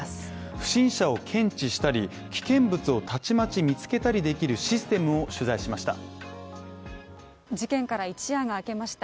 不審者を検知したり、危険物をたちまち見つけたりできるシステムを取材しました事件から一夜が明けました。